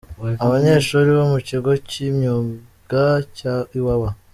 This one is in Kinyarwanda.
Abanyshuri bo mu kigo cy’imyuga cya Iwawa.